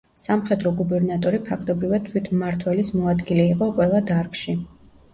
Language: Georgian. სამხედრო გუბერნატორი ფაქტობრივად მთავარმმართველის მოადგილე იყო ყველა დარგში.